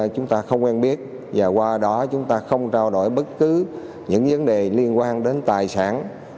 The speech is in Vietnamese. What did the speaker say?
chúng ta không quen biết và qua đó chúng ta không trao đổi bất cứ những vấn đề liên quan đến tài sản